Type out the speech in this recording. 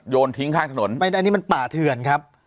ทิ้งข้างถนนไม่ได้อันนี้มันป่าเถื่อนครับ